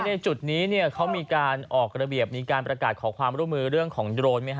ในจุดนี้เขามีการออกระเบียบมีการประกาศขอความร่วมมือเรื่องของโดรนไหมฮ